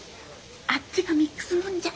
あっちがミックスもんじゃ。